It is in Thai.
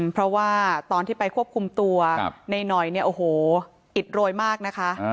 เพราะว่าตอนที่ไปควบคุมตัวในหน่อยเนี่ยโอ้โหอิดโรยมากนะคะ